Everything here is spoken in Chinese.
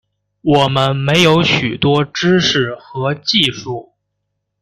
我们没有许多知识和技术